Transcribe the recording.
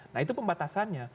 nah itu pembatasannya